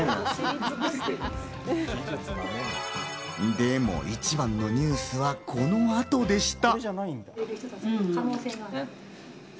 でも一番のニュースはこの後でした。